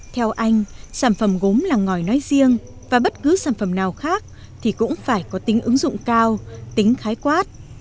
theo anh sản phẩm gốm làng ngòi nói riêng và bất cứ sản phẩm nào khác thì cũng phải có tính ứng dụng cao tính khái quát